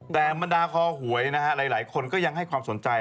แต่บรรดาคอหวยนะฮะหลายคนก็ยังให้ความสนใจ